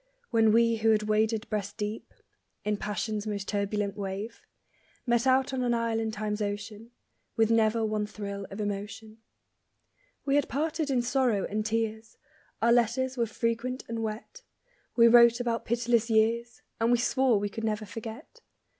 When we who had waded breast deep In passion's most turbulent wave Met out on an isle in Time's ocean, With never one thrill of emotion. We had parted in sorrow and tears; Our letters were frequent and wet; We wrote about pitiless years, And we swore we could never forget.